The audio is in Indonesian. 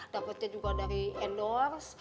dapetnya juga dari endorse